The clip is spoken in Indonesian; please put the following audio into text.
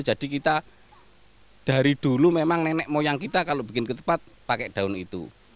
jadi kita dari dulu memang nenek moyang kalau membuat ketupat pakai baunya itu